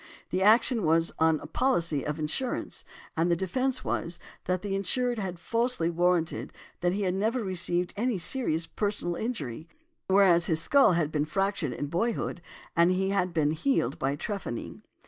The action was on a policy of insurance, and the defence was, that the insured had falsely warranted that he had never received any serious personal injury, whereas his skull had been fractured in boyhood, and had been healed by trephining.